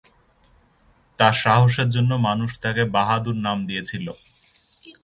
তাঁর সাহসের জন্য মানুষ তাঁকে "বাহাদুর" নাম দিয়েছিল।